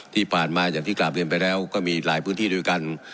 ที่ผ่านมาอย่างที่กราบเรียนไปแล้วก็มีหลายพื้นที่ด้วยกัน